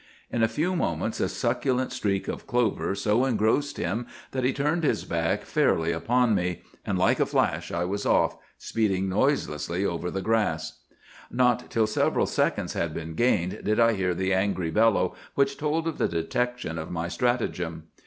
In a few moments a succulent streak of clover so engrossed him that he turned his back fairly upon me—and like a flash I was off, speeding noiselessly over the grass. "Not till several seconds had been gained did I hear the angry bellow which told of the detection of my stratagem.